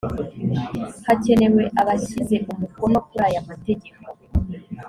hakenewe abashyize umukono kuri aya mategeko